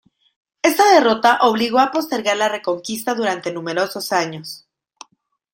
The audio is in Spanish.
Esta derrota obligó a postergar la Reconquista durante numerosos años.